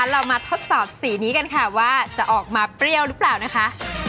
เรามาทดสอบสีนี้กันค่ะว่าจะออกมาเปรี้ยวหรือเปล่านะคะ